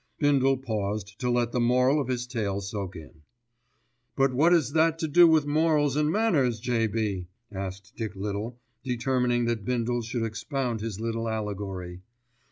Bindle paused to let the moral of his tale soak in. "But what has that to do with morals and manners, J.B.?" asked Dick Little, determined that Bindle should expound his little allegory.